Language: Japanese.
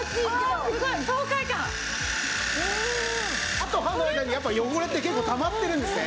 歯と歯の間にやっぱり汚れって結構たまってるんですね。